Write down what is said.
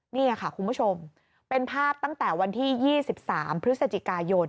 นี่ค่ะคุณผู้ชมเป็นภาพตั้งแต่วันที่๒๓พฤศจิกายน